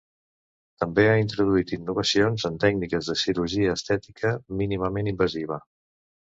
També ha introduït innovacions en tècniques de cirurgia estètica mínimament invasiva.